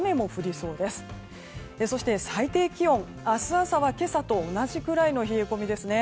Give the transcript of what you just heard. そして最低気温、明日朝は今朝と同じぐらいの冷え込みです。